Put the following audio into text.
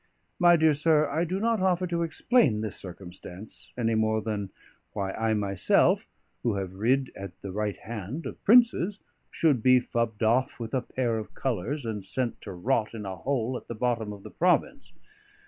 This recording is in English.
My dear sir, I do not offer to explain this circumstance; any more than why I myself, who have rid at the right hand of Princes, should be fubbed off with a pair of colours and sent to rot in a hole at the bottom of the province.